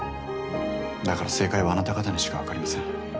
だから正解はあなた方にしかわかりません。